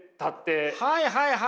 はいはいはい。